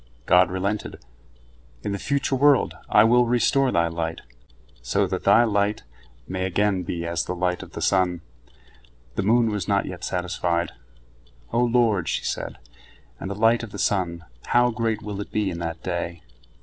God relented: "In the future world I will restore thy light, so that thy light may again be as the light of the sun." The moon was not yet satisfied. "O Lord," she said, "and the light of the sun, how great will it be in that day?"